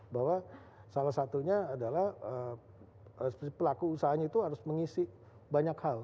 bahwa salah satunya adalah pelaku usahanya itu harus mengisi banyak hal